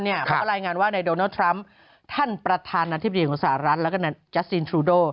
เขาก็รายงานว่าในโดนัลด์ทรัมป์ท่านประธานาธิบดีสหรัฐและแจ๊สตินทรูโด่